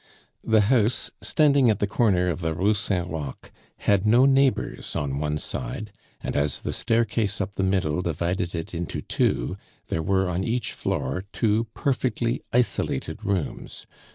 The house, standing at the corner of the Rue Saint Roch, had no neighbors on one side; and as the staircase up the middle divided it into two, there were on each floor two perfectly isolated rooms.